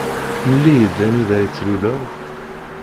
Mel-iyi-d anida i tluleḍ.